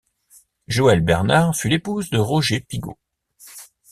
Joëlle Bernard fut l'épouse de Roger Pigaut.